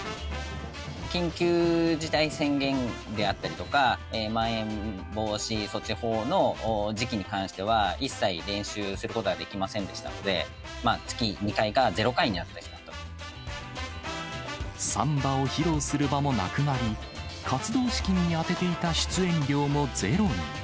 緊急事態宣言であったりとか、まん延防止措置法の時期に関しては、一切練習することができませんでしたので、月２回が０回になってサンバを披露する場もなくなり、活動資金に充てていた出演料もゼロに。